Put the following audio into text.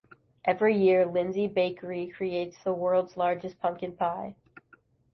Every year, Lindsey's Bakery creates the "world's largest" pumpkin pie.